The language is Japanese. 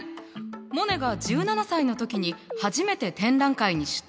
モネが１７歳の時に初めて展覧会に出展した作品。